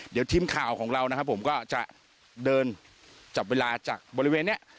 เดี๋ยวทีมข่าวของเรานะครับผมก็จะเดินจับเวลาจากบริเวณนี้